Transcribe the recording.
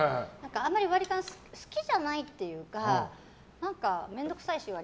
あんまり割り勘好きじゃないっていうか何か面倒くさいし。